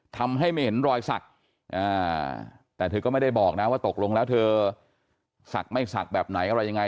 ทำให้ไม่เห็นรอยสักแต่เธอก็ไม่ได้บอกนะว่าตกลงแล้วเธอศักดิ์ไม่ศักดิ์แบบไหนอะไรยังไง